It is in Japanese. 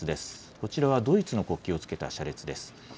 こちらはドイツの国旗をつけた車列です。